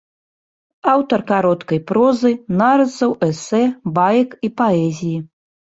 Аўтар кароткай прозы, нарысаў, эсэ, баек і паэзіі.